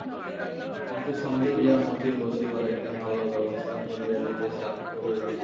কিন্তু সঙ্গে গিয়া মতির বসিবার একটা ভালো ব্যবস্থা করিয়া দিতে সে আপত্তি করিল না।